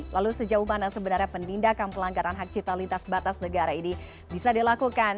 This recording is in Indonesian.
lalu sejauh mana sebenarnya penindakan pelanggaran hak cipta lintas batas negara ini bisa dilakukan